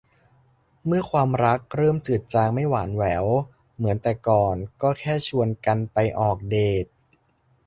เมื่อความรักเริ่มจืดจางไม่หวานแหววเหมือนแต่ก่อนก็แค่ชวนกันไปออกเดต